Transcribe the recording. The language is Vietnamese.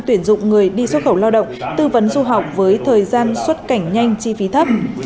tuyển dụng người đi xuất khẩu lao động tư vấn du học với thời gian xuất cảnh nhanh chi phí thấp